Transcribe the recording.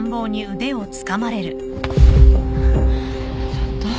ちょっと。